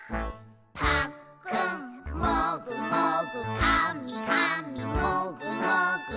「ぱっくんもぐもぐ」「かみかみもぐもぐ」